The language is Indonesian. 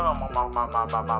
hah kok berangkat sekolah